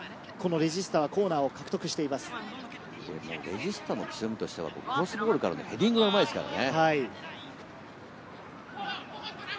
レジスタの強みとしてはクロスボールからのヘディングがうまいですからね。